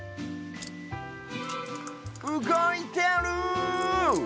うごいてる！